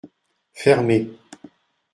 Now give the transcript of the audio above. Fermez !